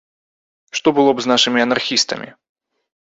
Што было б з нашымі анархістамі?